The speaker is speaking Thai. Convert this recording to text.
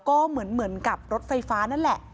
ก็เหมือนกับรถไฟฟ้านั่นแหละ